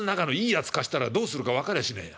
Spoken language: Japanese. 貸したらどうするか分かりゃしねえよ。